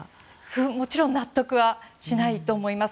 もちろん納得はしないと思います。